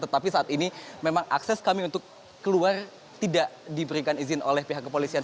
tetapi saat ini memang akses kami untuk keluar tidak diberikan izin oleh pihak kepolisian